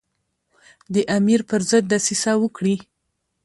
د امیر پر ضد دسیسه وکړي.